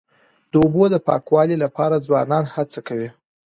د اوبو د پاکوالي لپاره ځوانان هڅې کوي.